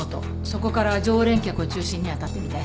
そこから常連客を中心に当たってみて。